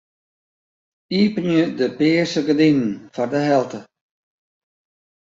Iepenje de pearse gerdinen foar de helte.